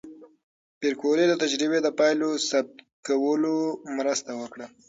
پېیر کوري د تجربې د پایلو ثبت کولو مرسته وکړه.